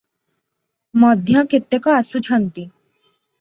ମଧ୍ୟ କେତେକ ଆସୁଛନ୍ତି ।